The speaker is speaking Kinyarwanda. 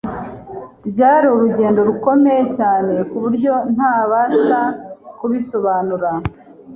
rwari urugendo rukomeye cyane ku buryo ntabasha kubisobanura